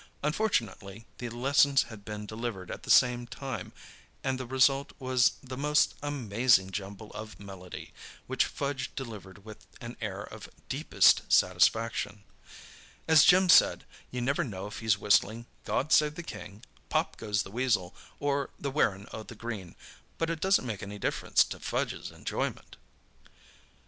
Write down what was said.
Unfortunately, the lessons had been delivered at the same time, and the result was the most amazing jumble of melody, which Fudge delivered with an air of deepest satisfaction. As Jim said, "You never know if he's whistling 'God Save the King,' 'Pop Goes the Weasel,' or 'The Wearin' o' the Green,' but it doesn't make any difference to Fudge's enjoyment!"